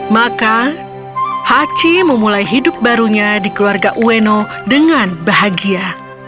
maka hachi memulai hidup barunya di keluarga ueno dengan bahagia